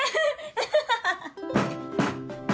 アハハハ！